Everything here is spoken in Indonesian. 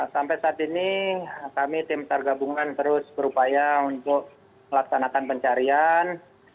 sampai saat ini kami tim sargabungan terus berupaya untuk melaksanakan pencarian